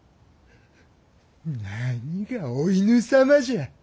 何がお犬様じゃ！